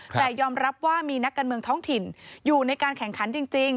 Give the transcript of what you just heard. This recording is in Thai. แต่ยอมรับว่ามีนักการเมืองท้องถิ่นอยู่ในการแข่งขันจริง